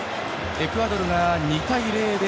エクアドルが２対０で